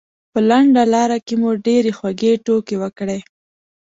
په لنډه لاره کې مو ډېرې خوږې ټوکې وکړې.